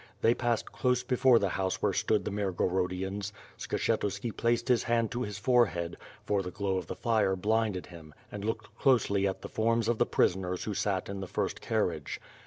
They passed close })efore the house where stood the Mirgo rodians. Skshetuski placed his hand to his forehead, for the glow of the fire blinded him and looked closely at the forms of the prisoners who sat in the first carriage.